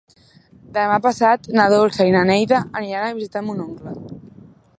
Demà passat na Dolça i na Neida aniran a visitar mon oncle.